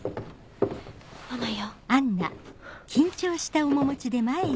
ママよ。